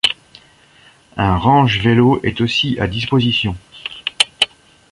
Un range-vélos est aussi à disposition.